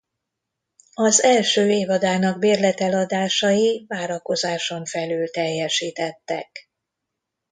Az első évadának bérlet eladásai várakozáson felül teljesítettek.